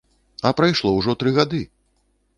А прайшло ўжо тры гады!